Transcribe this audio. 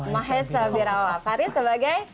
mahesabirawa fariz sebagai